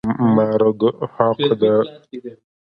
مرګ حق دی.